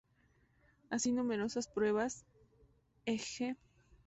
Así numerosas pruebas e.g.